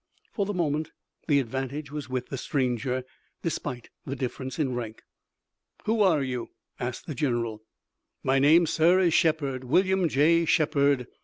For the moment the advantage was with the stranger, despite the difference in rank. "Who are you?" asked the general. "My name, sir, is Shepard, William J. Shepard.